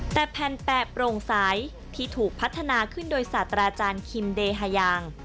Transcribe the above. แต่แผ่นแปะโปร่งใสที่ถูกพัฒนาขึ้นโดยศาสตราจารย์คิมเดฮายาง